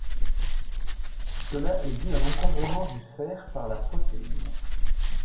Cela est dû à l'encombrement du fer par la protéine.